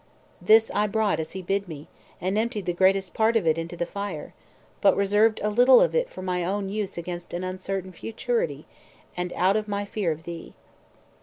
This I brought as he bid me, and emptied the greatest part of it into the fire, but reserved a little of it for my own use against uncertain futurity, and out of my fear of thee.